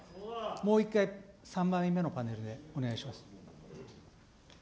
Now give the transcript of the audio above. もう一回、３枚目のパネルお願いします。